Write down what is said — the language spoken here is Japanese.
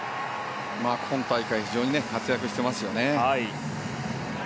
今大会非常に活躍していますよね。